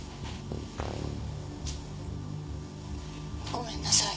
ごめんなさい。